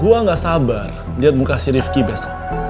gua gak sabar liat muka si rifqi besok